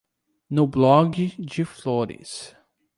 No blog de flores